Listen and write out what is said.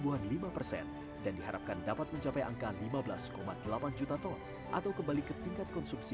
iya sehat selalu